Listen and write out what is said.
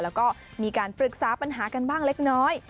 แล้วก็มีการปรึกษาปัญหากันบ้างเล็กน้อย